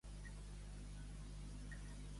Com va reaccionar la seva esposa?